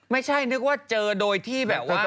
ไม่ใช่นึกว่าเจอโดยที่แบบว่า